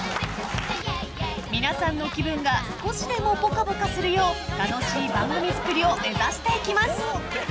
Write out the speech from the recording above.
皆さんの気分が少しでもぽかぽかするよう楽しい番組作りを目指していきます。